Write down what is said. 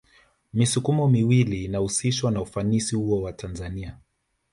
Misukumo miwili inahusishwa na ufanisi huo wa Tanzania